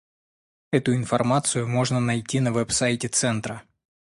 Эту информацию можно найти на веб-сайте Центра.